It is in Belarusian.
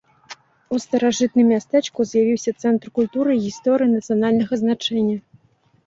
У старажытным мястэчку з'явіўся цэнтр культуры і гісторыі нацыянальнага значэння!